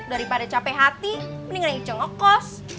daripada capek hati mendingan ije ngokos